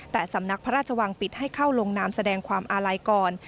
แต่สำนักพระราชวังปิดให้เข้าลงนามแสดงความอาลัยก่อน